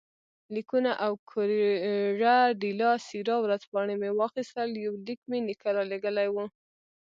لیکونه او کوریره ډیلا سیرا ورځپاڼه مې واخیستل، یو لیک مې نیکه رالېږلی وو.